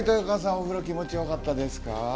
お風呂気持ちよかったですか？